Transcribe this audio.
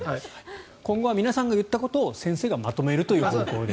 今後は皆さんが言ったことを先生がまとめるという方向で。